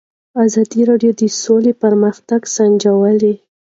ازادي راډیو د سوله پرمختګ سنجولی.